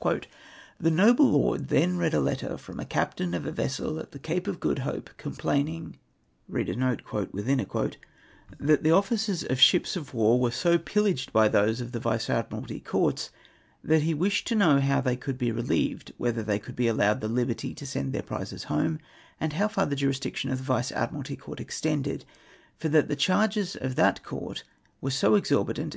Tli£^ noble lord then read a letter from a captain of a vessel at the Cape of Good Hope, complaining ' that the officers of ships of Avar were so pillaged Ijy those of the Vice Admiralty Courts, that he wished to know how they could he relieved ; whether they could be allowed the liberty to send their prizes home, and how far the jurisdiction of the Vice Admii'alty Court extended; for that the charges of that court were so exorbitant, it.